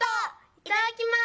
いただきます」。